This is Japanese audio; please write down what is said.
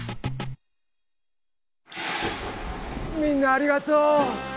みんなありがとう！